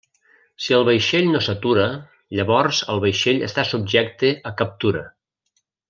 Si el vaixell no s'atura, llavors el vaixell està subjecte a captura.